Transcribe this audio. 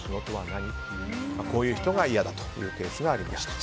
こういう人が嫌だというケースがありました。